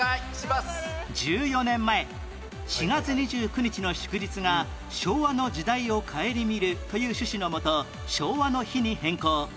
１４年前４月２９日の祝日が昭和の時代を顧みるという趣旨のもと昭和の日に変更